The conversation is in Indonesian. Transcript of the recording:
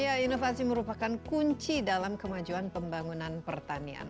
ya inovasi merupakan kunci dalam kemajuan pembangunan pertanian